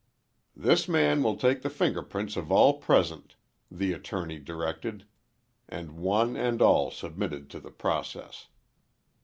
"This man will take the finger prints of all present," the Attorney directed, and one and all submitted to the process.